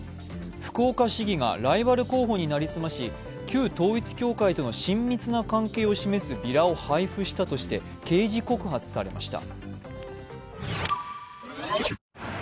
福岡市議がライバル候補に成り済まし旧統一教会との親密な関係を示すビラを配布したとして、刑事告発されました。